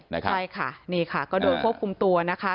ใช่ค่ะนี่ค่ะก็โดนควบคุมตัวนะคะ